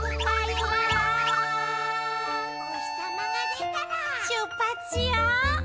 「おひさまがでたらしゅっぱしよう！」